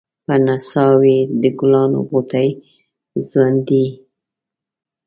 په نڅا وې د ګلانو غوټۍ ځونډي